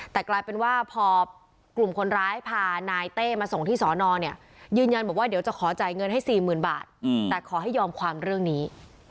แต่กลายเป็นว่าพอกลุ่มคนร้ายพานายเต้มาส่งที่สอนอเนี่ยยืนยันบอกว่าเดี๋ยวจะขอจ่ายเงินให้๔๐๐๐บาทแต่ขอให้ยอมความเรื่องนี้